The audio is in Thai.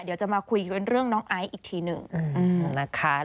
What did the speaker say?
เดี๋ยวจะมาคุยกันเรื่องน้องไอซ์อีกทีหนึ่งนะคะ